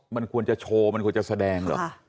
มันควรจะโชว์มันควรจะแสดงเหรอ